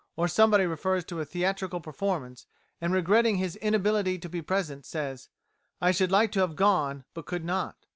Or somebody refers to a theatrical performance, and regretting his inability to be present, says, "I should like to have gone, but could not."